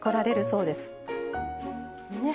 そうですね。